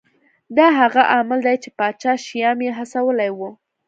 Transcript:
دا هغه عامل دی چې پاچا شیام یې هڅولی و.